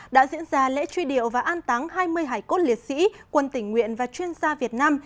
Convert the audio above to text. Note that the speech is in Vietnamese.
đã diễn ra lễ truy điệu và an táng hai mươi hải cốt liệt sĩ quân tỉnh nguyện và chuyên gia việt nam